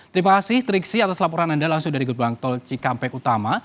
terima kasih triksi atas laporan anda langsung dari gerbang tol cikampek utama